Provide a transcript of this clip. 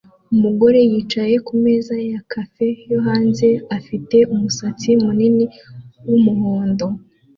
Umugore yicaye kumeza ya cafe yo hanze afite umusatsi munini wumuhondo